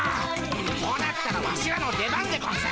こうなったらワシらの出番でゴンス。